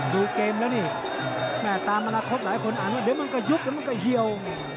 ดูเกมแล้วนี่แต่ตามมาละครบหลายคนอ่านว่าเดี๋ยวมันก็ยุบมันก็เฮียว